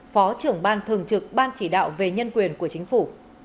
phó trưởng ban thường trực ban chỉ đạo về nhân quyền của chính phủ